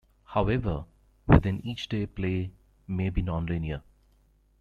However, within each day play may be nonlinear.